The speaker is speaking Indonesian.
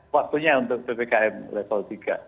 waktunya untuk ppkm level tiga